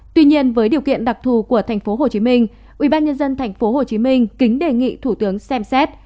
tuy nhiên với điều kiện đặc thù của tp hcm ubnd tp hcm kính đề nghị thủ tướng xem xét